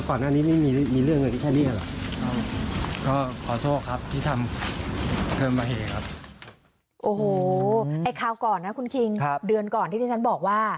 โอ้โหไอ้คราวก่อนนะคุณคิงเดือนก่อนที่ที่ฉันบอกว่า